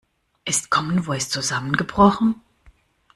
Ist Commen Voice zusammengebrochen?